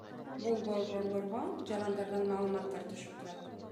Бул борборлорго жарандардан маалыматтар түшүп турат.